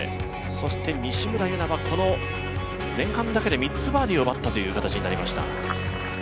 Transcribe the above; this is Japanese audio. そして西村優菜はこの前半だけで３つバーディーを奪ったという形になりました。